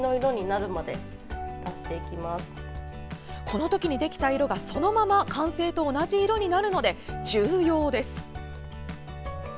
このときにできた色がそのまま完成と同じ色になるので重要です。